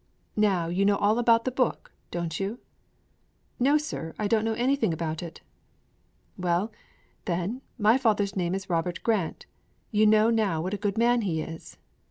'Now you know all about the book, don't you?' 'No, sir, I don't know anything about it.' 'Well, then, my father's name is Robert Grant; you know now what a good man he is!'